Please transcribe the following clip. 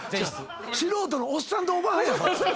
素人のおっさんとおばはんやろ。